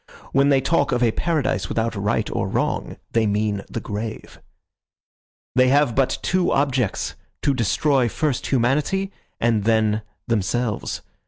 When they talk of a paradise without right or wrong, they mean the grave. "They have but two objects, to destroy first humanity and then themselves.